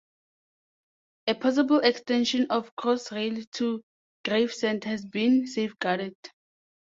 A possible extension of Crossrail to Gravesend has been safeguarded.